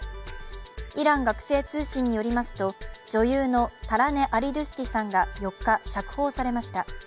イラン学生通信によりますと女優のタラネ・アリドゥスティさんが４日、釈放されました。